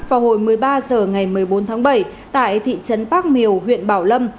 vào hồi một mươi ba h ngày một mươi bốn tháng bảy tại thị trấn bác miều huyện bảo lâm